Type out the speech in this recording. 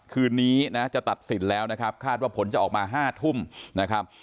คืนนี้นะจะตัดสินแล้วนะครับคาดว่าผลจะออกมา๕ทุ่มนะครับ